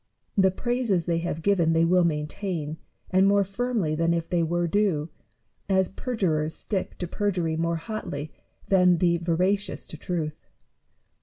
The praises they have given they will maintain, andmore firmly than if they were due; as per jurers stick to perjury more hotly than the veracious to truth.